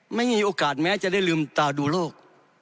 ไม่มีโอกาสแม้จะได้ลืมตาดูโรค